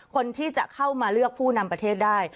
คนที่จะเข้ามาเลือกผู้นำประเทศได้